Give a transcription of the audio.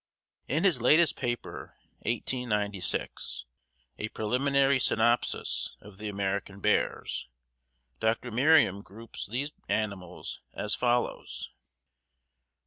In his latest paper (1896), a "Preliminary Synopsis of the American Bears," Dr. Merriam groups these animals as follows: I.